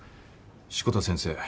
志子田先生